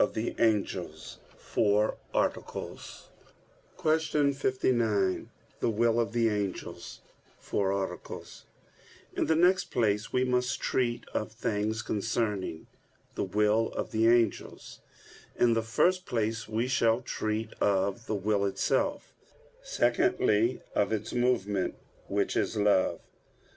_______________________ QUESTION 59 THE WILL OF THE ANGELS (FOUR ARTICLES) In the next place we must treat of things concerning the will of the angels. In the first place we shall treat of the will itself; secondly, of its movement, which is love.